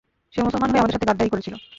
সে মুসলমান হয়ে আমাদের সাথে গাদ্দারী করেছিল।